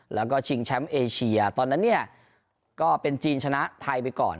แล้วก็ชิงแชมป์เอเชียตอนนั้นเนี่ยก็เป็นจีนชนะไทยไปก่อน